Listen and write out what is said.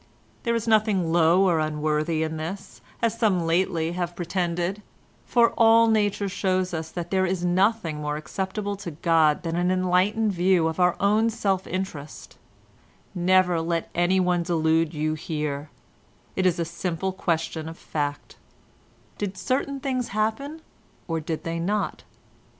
There is nothing low or unworthy in this, as some lately have pretended, for all nature shows us that there is nothing more acceptable to God than an enlightened view of our own self interest; never let anyone delude you here; it is a simple question of fact; did certain things happen or did they not?